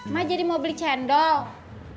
mah jadi mau beli cendol